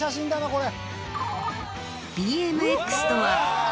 これ。